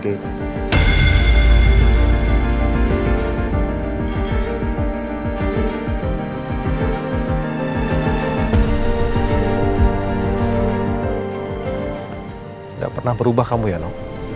tidak pernah berubah kamu ya no